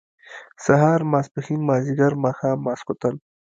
سهار ، ماسپښين، مازيګر، ماښام ، ماسخوتن